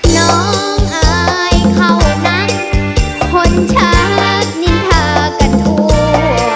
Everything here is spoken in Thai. น้องอายเขานักคนชาตินิทากันทั่ว